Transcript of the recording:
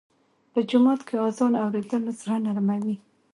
په جومات کې اذان اورېدل زړه نرموي.